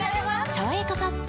「さわやかパッド」